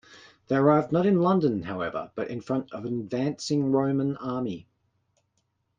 They arrive not in London, however, but in front of an advancing Roman army.